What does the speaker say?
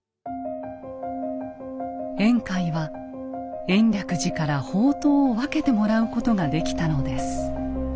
円海は延暦寺から法灯を分けてもらうことができたのです。